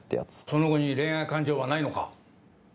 その子に恋愛感情はないのか？